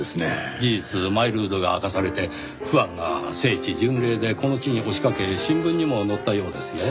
事実マイルールが明かされてファンが聖地巡礼でこの地に押しかけ新聞にも載ったようですよ。